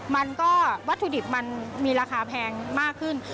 วัตถุดิบมันมีราคาแพงมากขึ้น